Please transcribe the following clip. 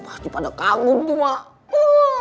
pasti pada kagum tuh emak